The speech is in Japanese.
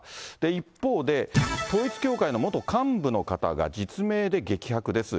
一方で、統一教会の元幹部の方が、実名で激白です。